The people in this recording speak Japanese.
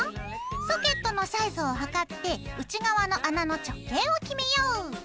ソケットのサイズを測って内側の穴の直径を決めよう。